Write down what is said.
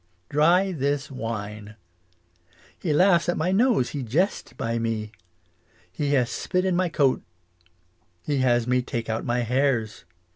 Dry this wine. He laughs at my nose, he jest by me. He has spit in my coat. He has me take out my hairs.